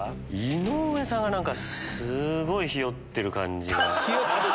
井上さんがすごいひよってる感じが。